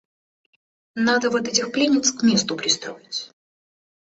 Надо вот этих пленниц к месту пристроить.